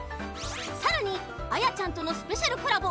さらにあやちゃんとのスペシャルコラボ